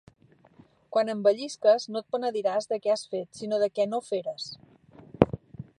Quan envellisques, no et penediràs de què has fet, sinó de què no feres.